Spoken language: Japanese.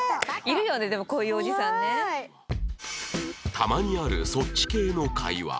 たまにあるそっち系の会話